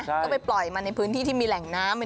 ก็ไปปล่อยมาในพื้นที่ที่มีแหล่งน้ำ